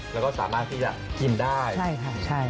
แล้วก็สามารถที่จะกินได้ใช่ค่ะใช่